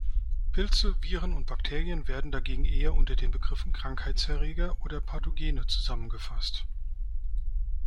Pilze, Viren und Bakterien werden dagegen eher unter den Begriffen Krankheitserreger oder Pathogene zusammengefasst.